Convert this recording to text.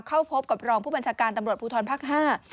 เข้าพบกับรองผู้บัญชาการตำรวจภูทรภาคห้า